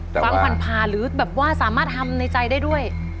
ฟังผ่านหรือแบบว่าสามารถทำในใจได้ด้วย